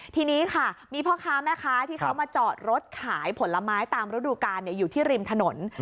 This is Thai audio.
ทีนี้ค่ะมีพ่อค้าแม่ค้าที่เขามาจอดรถขายผลไม้ตามฤดูกาลอยู่ที่ริมถนน